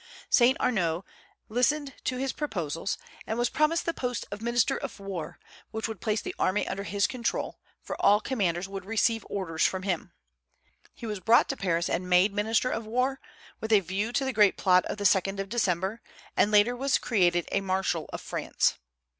Saint Arnaud listened to his proposals, and was promised the post of minister of war, which would place the army under his control, for all commanders would receive orders from him. He was brought to Paris and made minister of war, with a view to the great plot of the 2d of December, and later was created a Marshal of France.